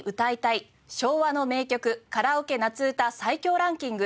昭和の名曲カラオケ夏うた最強ランキング